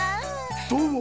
どうも！